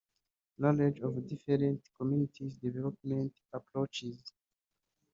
Knowledge of different community development approaches